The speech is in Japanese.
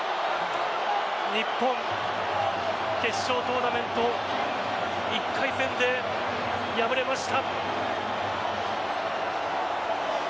日本、決勝トーナメント１回戦で敗れました。